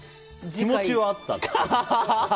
気持ちはあったんだと。